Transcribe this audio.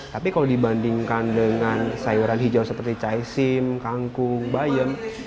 tapi kalau dibandingkan dengan sayuran hijau seperti caisim kangkung bayem